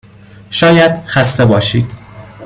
شاید خسته باشید.